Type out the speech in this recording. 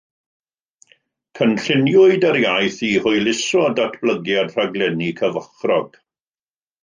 Cynlluniwyd yr iaith i “hwyluso” datblygiad rhaglenni cyfochrog.